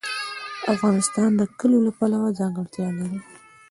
افغانستان د کلیو له پلوه ځانګړتیاوې لري.